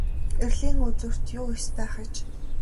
Эрлийн үзүүрт юу эс байх аж.